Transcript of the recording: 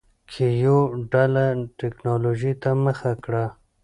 کیو ډله ټکنالوجۍ ته مخه کړه.